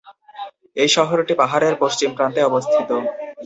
এই শহরটি পাহাড়ের পশ্চিম প্রান্তে অবস্থিত।